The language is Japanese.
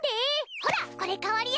ほらこれ代わりや！